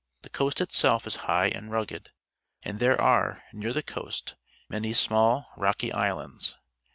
The coast itself is high and rugged, and there ai'e, near the coast, many small, rocky islands.